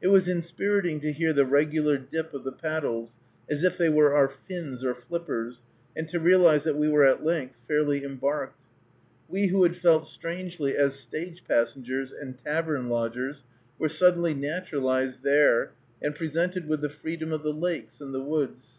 It was inspiriting to hear the regular dip of the paddles, as if they were our fins or flippers, and to realize that we were at length fairly embarked. We who had felt strangely as stage passengers and tavern lodgers were suddenly naturalized there and presented with the freedom of the lakes and the woods.